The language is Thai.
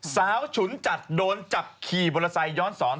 สาวฉุนจัดโดนจับขี่บริษัทย้อนศร